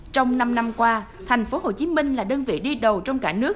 trong năm năm qua thành phố hồ chí minh là đơn vị đi đầu trong cả nước